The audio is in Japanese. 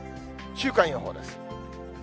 週間予報です。